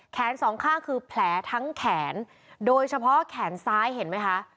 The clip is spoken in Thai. สองข้างคือแผลทั้งแขนโดยเฉพาะแขนซ้ายเห็นไหมคะ